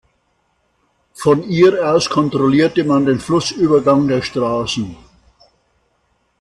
Von ihr aus kontrollierte man den Flussübergang der Straßen.